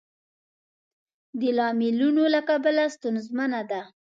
د لاملونو له کبله ستونزمنه ده.